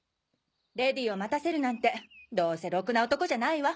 レディーを待たせるなんてどうせろくな男じゃないわ。